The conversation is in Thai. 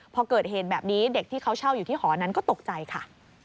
พอเกิดเหตุแบบนี้เด็กที่เขาเช่าอยู่ที่หอนั้นก็ตกใจค่ะ